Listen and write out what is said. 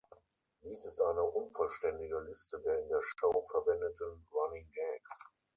Dies ist eine unvollständige Liste der in der Show verwendeten Running-Gags.